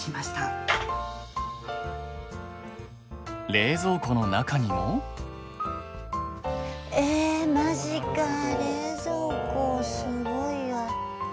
冷蔵庫の中にも？えまじか冷蔵庫すごいわ。